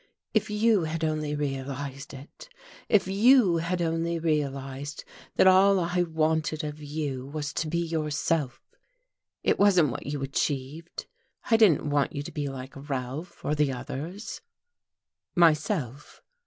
"If you had only realized it! If you had only realized that all I wanted of you was to be yourself. It wasn't what you achieved. I didn't want you to be like Ralph or the others." "Myself?